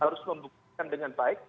harus membuka ruang dengan baik